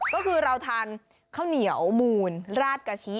ก็คือเราทานข้าวเหนียวมูลราดกะทิ